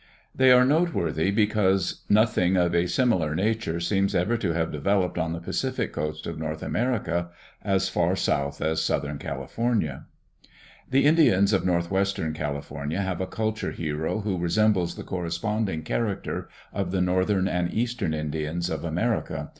They are noteworthy because nothing of a similar VOL. 2.] Kroeler. Types of Indian Culture in California. 95 nature seems ever to have developed on the Pacific coast of North America as far south as Southern California. The Indians of northwestern California have a culture hero who resembles the corresponding character of the northern and eastern Indians of America.